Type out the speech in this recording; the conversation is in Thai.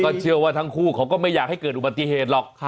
เชื่อว่าทั้งคู่เขาก็ไม่อยากให้เกิดอุบัติเหตุหรอก